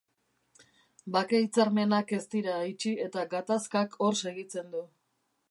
Bake hitzarmenak ez dira itxi eta gatazkak hor segitzen du.